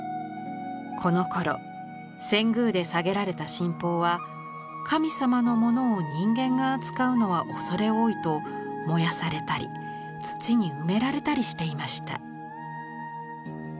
このころ遷宮で下げられた神宝は神様のものを人間が扱うのは畏れ多いと燃やされたり土に埋められたりしていました。